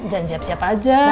jangan siap siap aja